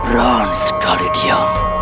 ran sekali dia